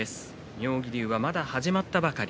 妙義龍はまだ始まったばかり。